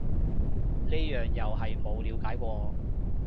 呢樣又係冇了解過